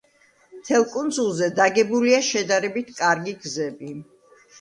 მთელ კუნძულზე დაგებულია შედარებით კარგი გზები.